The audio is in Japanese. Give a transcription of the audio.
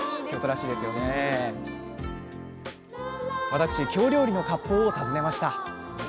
私京料理の割烹を訪ねました